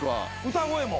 歌声も？